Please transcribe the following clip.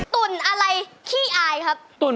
ตุ่นอะไรขี้อายครับ